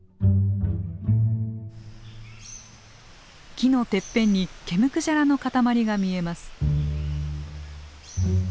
木のてっぺんに毛むくじゃらの塊が見えます。